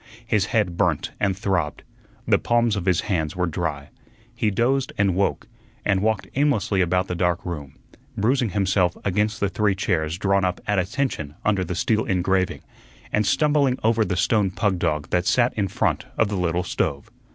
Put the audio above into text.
His head burnt and throbbed. The palms of his hands were dry. He dozed and woke, and walked aimlessly about the dark room, bruising himself against the three chairs drawn up "at attention" under the steel engraving, and stumbling over the stone pug dog that sat in front of the little stove.